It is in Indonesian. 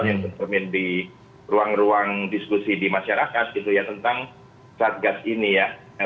yang tercermin di ruang ruang diskusi di masyarakat gitu ya tentang satgas ini ya